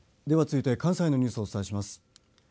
では、続いて関西のニュースをお伝えします。